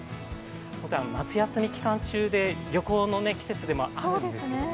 夏休み期間中で旅行の季節でもあるんですけど。